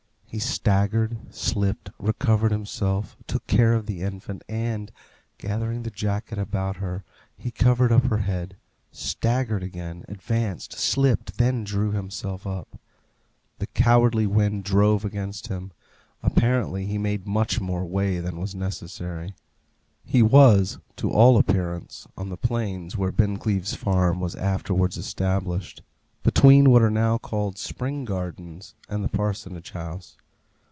He staggered, slipped, recovered himself, took care of the infant, and, gathering the jacket about her, he covered up her head; staggered again, advanced, slipped, then drew himself up. The cowardly wind drove against him. Apparently, he made much more way than was necessary. He was, to all appearance, on the plains where Bincleaves Farm was afterwards established, between what are now called Spring Gardens and the Parsonage House.